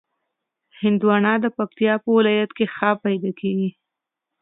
هندوانه د پکتیا په ولایت کې ښه پیدا کېږي.